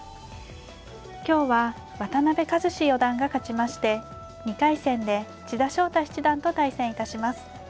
今日は渡辺和史四段が勝ちまして２回戦で千田翔太七段と対戦致します。